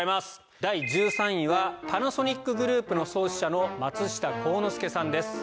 第１３位はパナソニックグループの創始者の松下幸之助さんです。